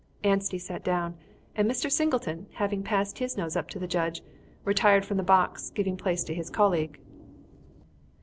Anstey sat down, and Mr. Singleton, having passed his notes up to the judge, retired from the box, giving place to his colleague.